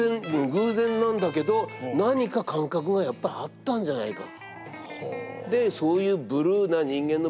偶然なんだけど何か感覚がやっぱりあったんじゃないか。